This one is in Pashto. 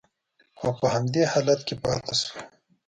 او په همدې حالت کې پاتې شوه